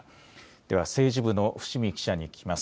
では、政治部の伏見記者に聞きます。